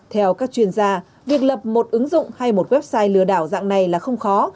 theo các chuyên gia việc lập một ứng dụng hay một website lừa đảo dạng này là không khó